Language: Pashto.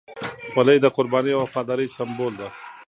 خولۍ د قربانۍ او وفادارۍ سمبول ده.